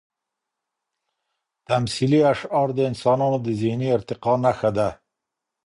تمثیلي اشعار د انسانانو د ذهني ارتقا نښه ده.